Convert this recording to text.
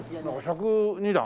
１０２段？